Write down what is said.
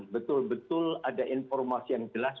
betul betul ada informasi yang jelas